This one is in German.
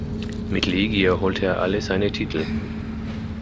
Mit Legia holte er alle seine Titel.